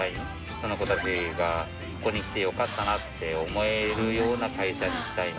この子たちがここに来てよかったなって思えるような会社にしたいな。